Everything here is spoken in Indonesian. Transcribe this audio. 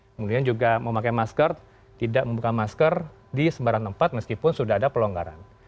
kemudian juga memakai masker tidak membuka masker dan juga berobat